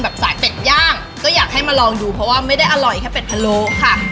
สายเป็ดย่างก็อยากให้มาลองดูเพราะว่าไม่ได้อร่อยแค่เป็ดพะโลค่ะ